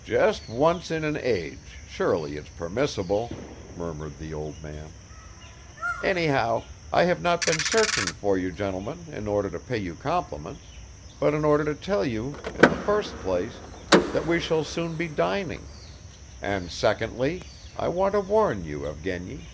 "Just once in an age, surely it's permissible," murmured the old man. "Anyhow, I have not been searching for you, gentlemen, in order to pay you compliments, but in order to tell you, in the first place, that we shall soon be dining; and secondly, I wanted to warn you, Evgeny